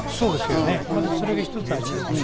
まずそれが１つありますね。